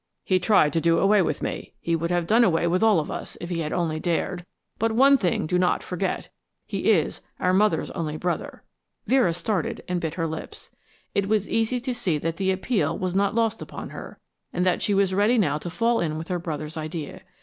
"He tried to do away with me he would have done away with all of us if he had only dared. But one thing do not forget he is our mother's only brother." Vera started and bit her lips. It was easy to see that the appeal was not lost upon her, and that she was ready now to fall in with her brother's idea.